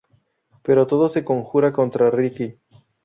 Pero todo se conjura contra Ricky.